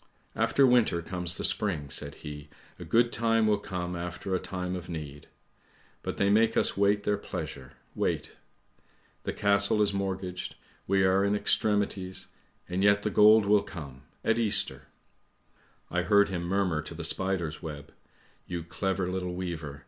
"' After winter comes the spring,' said he; 'a good time will come after a time of need; but they make us wait their pleasure, wait! The castle is mortgaged, we are in extremities — and yet the gold will come — at Easter! '" I heard him murmur to the spider's web —' You clever little weaver!